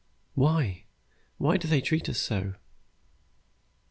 "Why why did they treat us so?"